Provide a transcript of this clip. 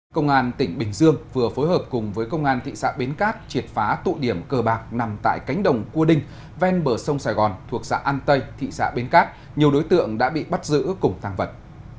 công an tỉnh bình dương vừa phối hợp cùng với công an thị xã bến cát triệt phá tụ điểm cờ bạc nằm tại cánh đồng cua đinh ven bờ sông sài gòn thuộc xã an tây thị xã bến cát nhiều đối tượng đã bị bắt giữ cùng thang vật